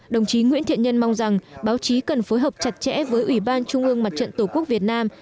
đồng chí nguyễn thiện nhân mong rằng báo chí cần phối hợp chặt chẽ với ủy ban trung ương mặt trận tổ quốc việt nam